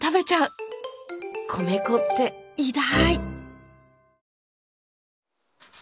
米粉って偉大！